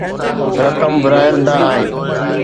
رقم ورهايل نه آهي